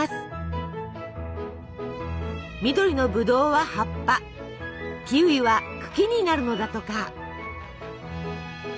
緑のブドウは葉っぱキウイは茎になるのだとか。